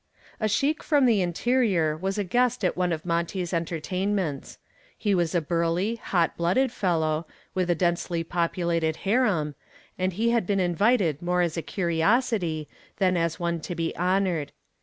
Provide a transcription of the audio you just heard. A sheik from the interior was a guest at one of Monty's entertainments. He was a burly, hot blooded fellow, with a densely populated harem, and he had been invited more as a curiosity than as one to be honored.